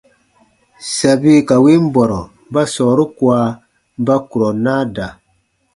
Sabi ka win bɔrɔ ba sɔɔru kua ba kurɔ naa da.